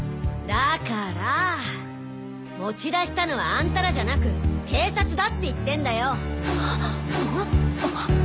だから持ち出したのはアンタらじゃなく警察だって言ってんだよ！